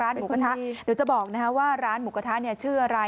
เดี๋ยวจะบอกนะครับว่าร้านหมูกะท้าชื่ออะไร